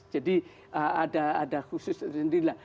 jadi ada khusus tersendiri